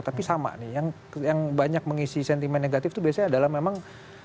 tapi sama nih yang banyak mengisi sentimen negatif itu biasanya adalah memang